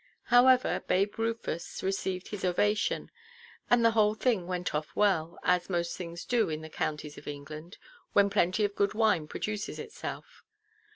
However, babe Rufus received his ovation; and the whole thing went off well, as most things do in the counties of England, when plenty of good wine produces itself.